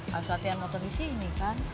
harus latihan motor disini kan